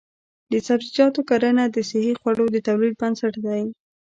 د سبزیجاتو کرنه د صحي خوړو د تولید بنسټ دی.